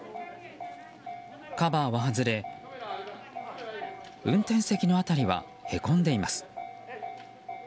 カバーは外れ運転席の辺りはへこんでいます。